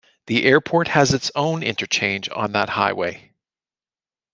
The airport has its own interchange on that highway.